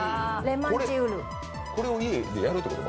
これを家でやるっていうこと？